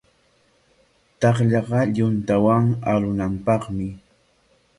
Takllaqa yuntawan arunapaqmi.